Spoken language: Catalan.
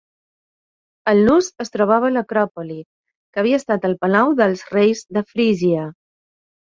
El nus es trobava a l'acròpoli, que havia estat el palau dels reis de Frígia.